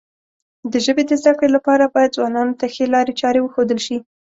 د ژبې د زده کړې لپاره باید ځوانانو ته ښې لارې چارې وښودل شي.